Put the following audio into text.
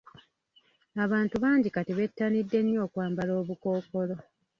Abantu bangi kati betanidde nnyo okwambala obukookolo.